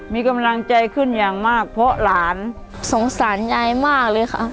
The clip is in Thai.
มีกำลังใจขึ้นอย่างมากเพราะหลานสงสารยายมากเลยค่ะ